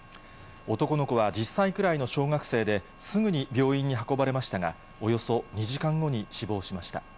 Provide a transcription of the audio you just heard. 男の子は１０歳くらいの小学生で、すぐに病院に運ばれましたが、およそ２時間後に死亡しました。